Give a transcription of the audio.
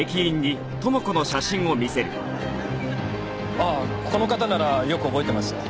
ああこの方ならよく覚えてますよ。